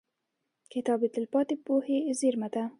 • کتاب د تلپاتې پوهې زېرمه ده.